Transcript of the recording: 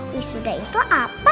wisuda itu apa